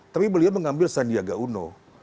tapi beliau mengambil sandiaga uno